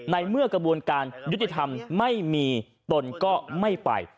ในเมื่อกระบวนการยุติธรรมไม่มีตนก็ไม่ไป